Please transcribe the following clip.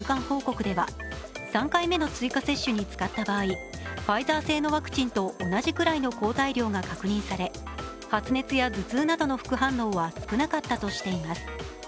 今年３月の中間報告では３回目の追加接種に使った場合、ファイザー製のワクチンと同じくらいの抗体量が確認され発熱や頭痛などの副反応は少なかったとしています。